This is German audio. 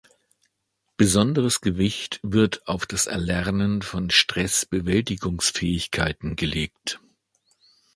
Besonderes Gewicht wird auf das Erlernen von Stress-Bewältigungsfähigkeiten gelegt.